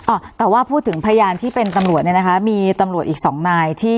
อ่ะแต่ว่าพูดถึงพยานที่เป็นตำรวจเนี่ยนะคะมีตำรวจอีกสองนายที่